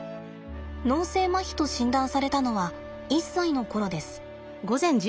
脳性まひと診断されたのは１歳の頃です。